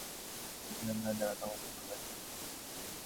তবে তখন চাকাটি সোজাই চলবে, অর্থাৎ এই দেহমনের দ্বারা তখন শুভ কার্যই হবে।